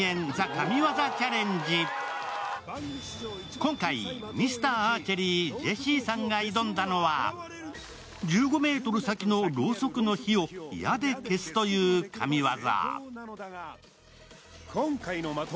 今回、ミスターアーチェリージェシーさんが挑んだのは１５ｍ先のろうそくの火を矢で消すという神業。